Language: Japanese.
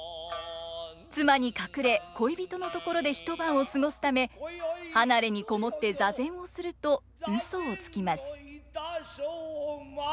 妻に隠れ恋人のところで一晩を過ごすため離れに籠もって座禅をするとうそをつきます。